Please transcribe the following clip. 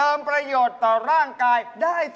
เอาของแดมมาชนของสวยอย่างงานตรงนี้ครับคุณแม่ตั๊ก